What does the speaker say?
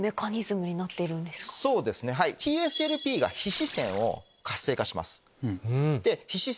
ＴＳＬＰが皮脂腺を活性化します。